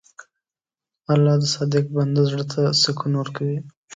الله د صادق بنده زړه ته سکون ورکوي.